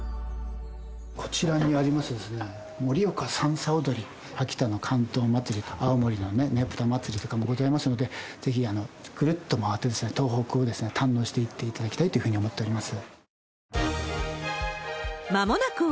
こちらにあります、盛岡さんさ踊り、秋田の竿燈祭りと青森のねぶた祭りとかもございますので、ぜひぐるっと回って、東北を堪能していっていただきたいというふうに思っております。